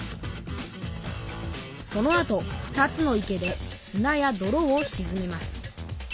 そのあと２つの池ですなやどろをしずめます。